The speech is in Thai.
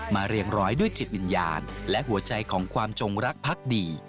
เรียงร้อยด้วยจิตวิญญาณและหัวใจของความจงรักพักดี